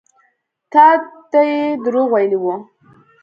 تا ته يې دروغ ويلي وو.